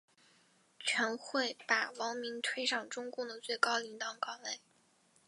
全会把王明推上中共的最高领导岗位。